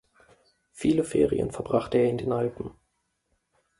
Viele Ferien verbrachte er in den Alpen.